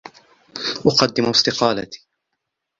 أُقدم استقالتي.